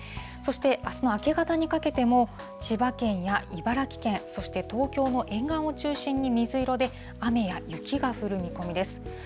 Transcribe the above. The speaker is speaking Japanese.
そして、あすの明け方にかけても、千葉県や茨城県、そして東京の沿岸を中心に水色で、雨や雪が降る見込みです。